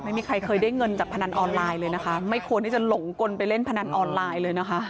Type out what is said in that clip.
ไม่มีใครเคยได้เงินจากพนันออนไลน์เลยนะคะไม่ควรที่จะหลงกลไปเล่นพนันออนไลน์เลยนะคะ